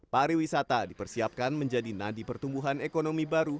pariwisata dipersiapkan menjadi nadi pertumbuhan ekonomi baru